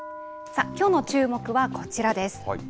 さあ、きょうのチューモク！はこちらです。